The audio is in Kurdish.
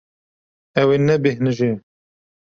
Ew ê nebêhnije.